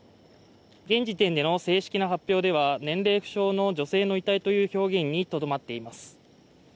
現時点での正式な発表では年齢不詳の女性の遺体という表現にとどまっています。